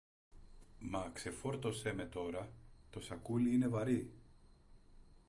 Μα ξεφόρτωσε με τώρα, το σακούλι είναι βαρύ!